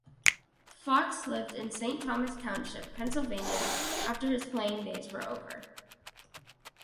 Fox lived in Saint Thomas Township, Pennsylvania after his playing days were over.